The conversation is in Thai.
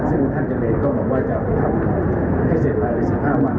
ซึ่งท่านเจดีย์ก็บอกว่าจะทำให้เสร็จภายในสัก๕วัน